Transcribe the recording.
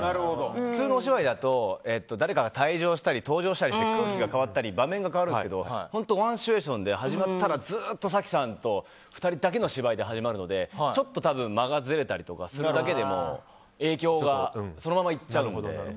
普通のお芝居だと誰かが退場したり登場したりして空気が変わったり場面が変わるんですけど本当、ワンシチュエーションで始まったらずっと早紀さんと２人の芝居が始まるので間がずれたりとかするだけでも影響がそのままいっちゃうので。